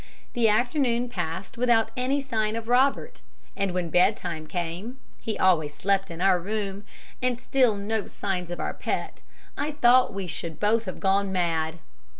The afternoon passed without any sign of Robert, and when bedtime came (he always slept in our room) and still no signs of our pet, I thought we should both have gone mad.